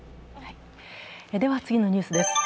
次のニュースです。